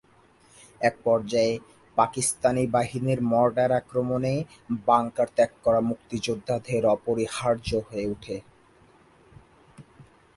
একপর্যায়ে পাকিস্তানি বাহিনীর মর্টার আক্রমণে বাংকার ত্যাগ করা মুক্তিযোদ্ধাদের অপরিহার্য হয়ে ওঠে।